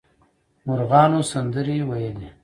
مرغان سندرې ویل.